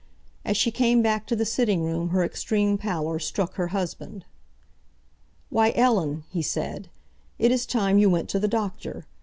As she came back to the sitting room, her extreme pallor struck her husband. "Why, Ellen," he said, "it is time you went to the doctor.